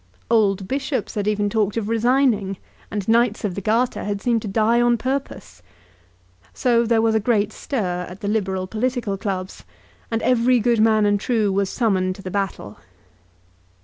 Old bishops had even talked of resigning, and Knights of the Garter had seemed to die on purpose. So there was a great stir at the Liberal political clubs, and every good and true man was summoned to the battle.